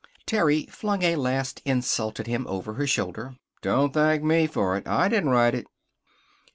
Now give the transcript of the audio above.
Terry flung a last insult at him over her shoulder: "Don't thank ME for it. I didn't write it."